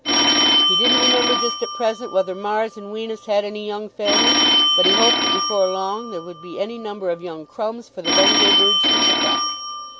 He didn't remember just at present whether Mars and Wenus had any young family, but he hoped that before long there would be any number of young Crumbs for the Bungay birds to pick up.